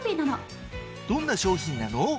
どんな商品なの？